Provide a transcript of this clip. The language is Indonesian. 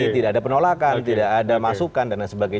tidak ada penolakan tidak ada masukan dan lain sebagainya